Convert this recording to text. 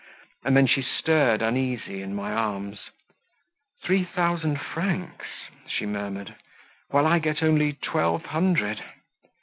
and then she stirred uneasy in my arms. "Three thousand francs!" she murmured, "While I get only twelve hundred!"